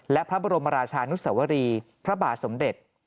และพระบรมราชานุสวรีพระบาทสมเด็จ